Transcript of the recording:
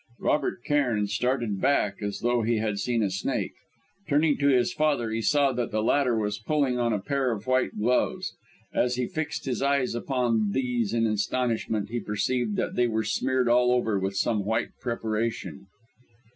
Robert Cairn started back, as though he had seen a snake. Turning to his father, he saw that the latter was pulling on a pair of white gloves. As he fixed his eyes upon these in astonishment, he perceived that they were smeared all over with some white preparation.